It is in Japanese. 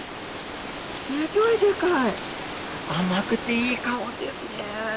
甘くていい香りですねぇ。